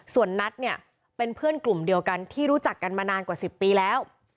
ส่วนนัทเนี่ยเป็นเพื่อนกลุ่มเดียวกันที่รู้จักกันมานานกว่า๑๐ปีแล้ว